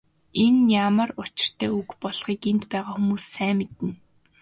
Энэ ямар учиртай үг болохыг энд байгаа хүмүүс сайн мэднэ.